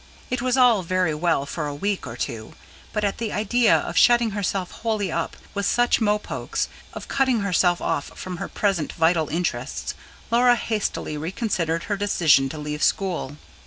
It was all very well for a week or two, but, at the idea of shutting herself wholly up with such mopokes, of cutting herself off from her present vital interests, Laura hastily reconsidered her decision to leave school.